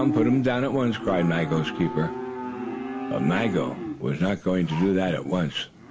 Put him down at once!" cried Maggo's keeper. But Maggo was not going to do that at once.